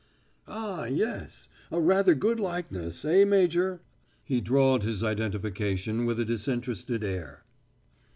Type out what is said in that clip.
"Ah, yes, a rather good likeness, eh, Major?" He drawled his identification with a disinterested air.